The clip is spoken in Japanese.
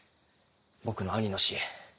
僕の兄の死。